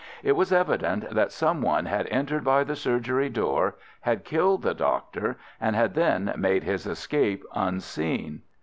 It was evident that some one had entered by the surgery door, had killed the doctor, and had then made his escape unseen.